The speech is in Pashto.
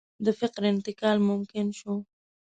د فکر انتقال ممکن شو.